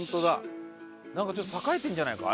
なんかちょっと栄えてるんじゃないか？